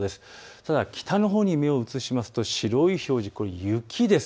ただ北のほうに目を移しますと白い表示雪です。